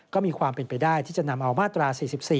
ก็มีความเป็นไปได้ที่จะนำเอามาตรา๔๔